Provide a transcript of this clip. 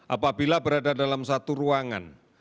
apabila berada dalam satu ruangan